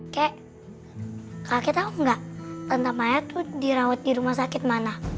ke kakek tau gak tante maya tuh dirawat di rumah sakit mana